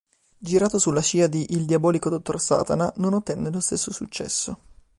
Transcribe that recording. Girato sulla scia di "Il diabolico dottor Satana", non ottenne lo stesso successo.